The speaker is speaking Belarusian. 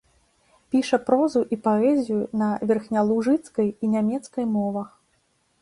Піша прозу і паэзію на верхнялужыцкай і нямецкай мовах.